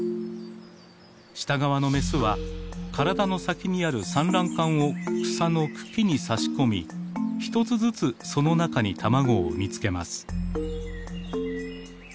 下側のメスは体の先にある産卵管を草の茎に差し込み１つずつその中に卵を産み付けます。